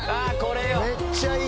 めっちゃいい。